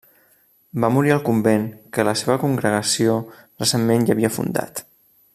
Va morir al convent que la seva congregació recentment hi havia fundat.